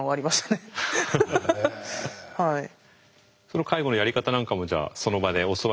その介護のやり方なんかもじゃあその場で教わりながら。